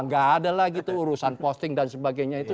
gak ada lah gitu urusan posting dan sebagainya itu